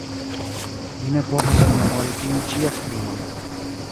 Mi ne povos rememori tiun ĉi esprimon.